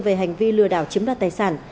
về hành vi lừa đảo chiếm đoạt tài sản